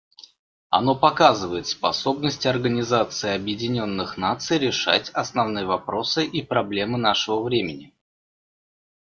Оно показывает способность Организации Объединенных Наций решать основные вопросы и проблемы нашего времени.